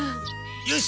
よし。